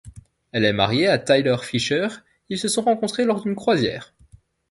Elle est mariée à Tyler Fisher, ils se sont rencontrés lors d'une croisière.